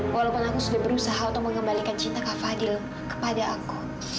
walaupun aku sudah berusaha untuk mengembalikan cinta kak fadil kepada aku